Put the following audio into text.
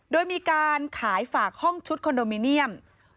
โดยมีการขายฝากห้องชุดคอนโดมิเนียม